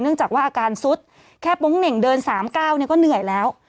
จากว่าอาการซุดแค่โป๊งเหน่งเดิน๓๙เนี่ยก็เหนื่อยแล้ว